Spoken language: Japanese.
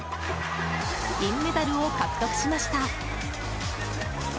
銀メダルを獲得しました。